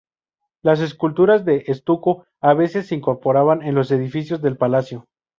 Las esculturas de estuco a veces se incorporaban en los edificios del palacio.